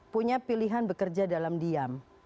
punya pilihan bekerja dalam diam